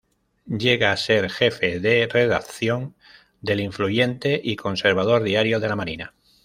Llega a ser jefe de redacción del influyente y conservador "Diario de la Marina".